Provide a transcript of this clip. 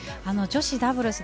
女子ダブルス